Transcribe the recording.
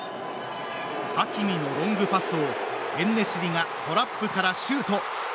ハキミのロングパスをエンネシリがトラップからシュート。